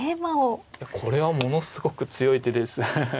これはものすごく強い手です。